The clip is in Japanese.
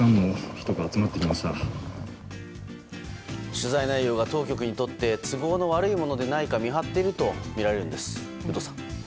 取材内容が当局にとって都合の悪いものでないか見張っているとみられるんです有働さん。